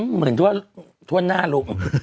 หมื่นทวนหน้าลูก